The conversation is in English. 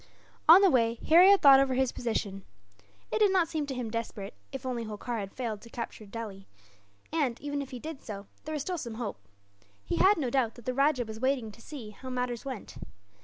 On the way, Harry had thought over his position. It did not seem to him desperate, if only Holkar failed to capture Delhi; and even if he did so, there was still some hope. He had no doubt that the rajah was waiting to see how matters went.